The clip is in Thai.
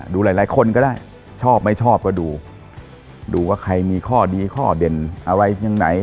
ดูหลายหลายคนก็ได้ชอบไม่ชอบก็ดูดูว่าใครมีข้อดีข้อเด่นอะไรอย่างไหน